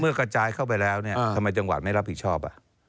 กระจายเข้าไปแล้วเนี่ยทำไมจังหวัดไม่รับผิดชอบ